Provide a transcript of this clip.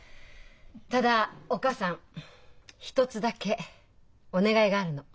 ただお母さん一つだけお願いがあるの。